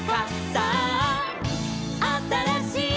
「さああたらしい」